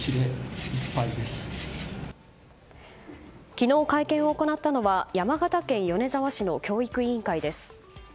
昨日会見を行ったのは山形県米沢市の教育委員会です。